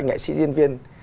nghệ sĩ diễn viên